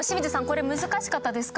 これ難しかったですか？